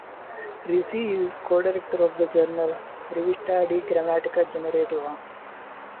Rizzi is co-director of the journal "Rivista di grammatica generativa".